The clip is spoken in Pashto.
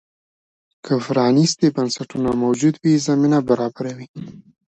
که پرانیستي بنسټونه موجود وي، زمینه برابروي.